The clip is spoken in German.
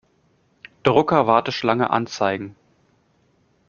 Drucker-Warteschlange anzeigen.